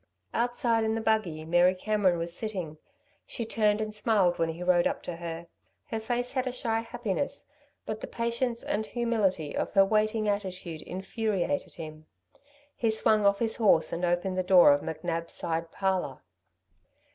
Outside, in the buggy, Mary Cameron was sitting. She turned and smiled when he rode up to her. Her face had a shy happiness, but the patience and humility of her waiting attitude infuriated him. He swung off his horse and opened the door of McNab's side parlour.